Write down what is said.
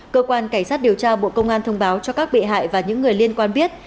cơ quan cảnh sát điều tra bộ công an thông báo cho các bị hại và những người liên quan biết